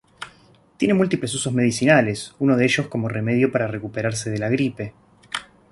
Tiene múltiples usos medicinales, uno de ellos como remedio para recuperarse de la gripe.